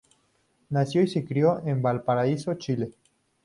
Nació y se crio en Valparaíso, Chile.